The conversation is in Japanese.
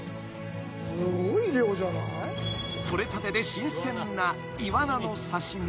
［取れたてで新鮮な］